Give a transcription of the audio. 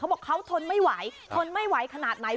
บอกเขาทนไม่ไหวทนไม่ไหวขนาดไหน